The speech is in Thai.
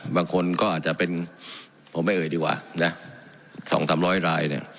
บางคนก็อาจจะเป็นผมไม่เอ่ยดีกว่าสองสามร้อยราย